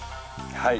はい。